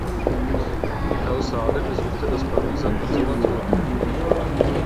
Caussade besuchte das Pariser Konservatorium.